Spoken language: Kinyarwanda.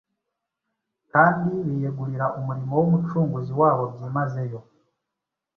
kandi biyegurira umurimo w’Umucunguzi wabo byimazeyo.